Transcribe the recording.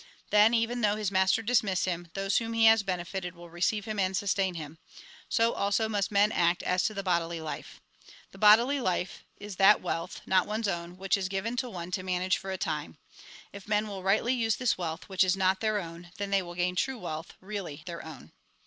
Then, even though his master dismiss him, those whom he has bene fited will receive hiui and sustain him. So also must men act as to the bodily life. The bodily life is that wealth, not one's own, which is given to one to manage for a time. If men will rightly use this wealth, which is not their own, then they will gain true wealth, really their own.